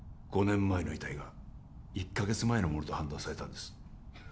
５年前の遺体が１カ月前のものと判断されたんです